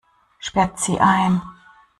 Sperrt sie ein!